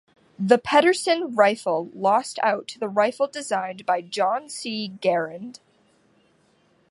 The Pedersen rifle lost out to the rifle designed by John C. Garand.